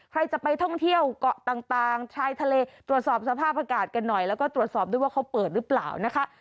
ใครจะไปท่องเที่ยวเกาะต่างชายทะเลตรวจสอบสภาพอากาศกันหน่อยแล้วก็ตรวจสอบด้วยว่าเขาเปิดหรือเปล่านะคะ